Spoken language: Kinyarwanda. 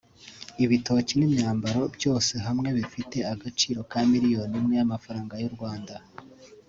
ibitoki n’imyambaro byose hamwe bifite agaciro ka miliyoni imwe y’amafaranga y’u Rwanda